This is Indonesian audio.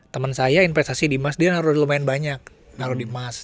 temen saya investasi di emas dia naro lumayan banyak naro di emas